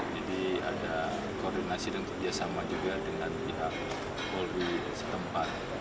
jadi ada koordinasi dan kerjasama juga dengan pihak polri setempat